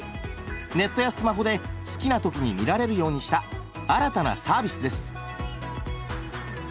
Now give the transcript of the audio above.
ネットやスマホで好きな時に見られるようにした新たなサービスです！